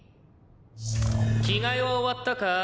「着替えは終わったか？